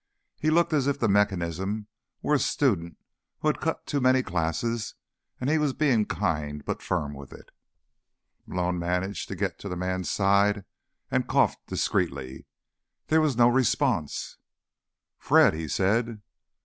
He looked as if the mechanism were a student who had cut too many classes, and he was being kind but firm with it. Malone managed to get to the man's side, and coughed discreetly. There was no response. "Fred?" he said.